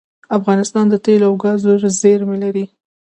افغانستان د تیلو او ګازو زیرمې لري